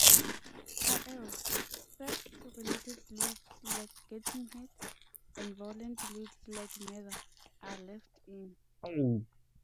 However, sex-related lyrics like "gettin' head" and violent lyrics like "murder" are left in.